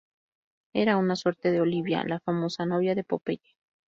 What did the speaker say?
Era una suerte de Olivia, la famosa novia de Popeye.